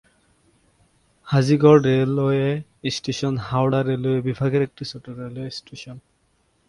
Hajigarh railway স্টেশনটি Howrah railway বিভাগের একটি ছোট রেলওয়ে স্টেশন।